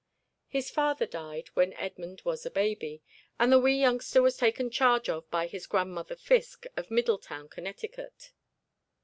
His father died while Edmund was a baby, and the wee youngster was taken charge of by his grandmother Fiske of Middletown, Connecticut.